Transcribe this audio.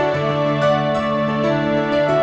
bimo dibagi sama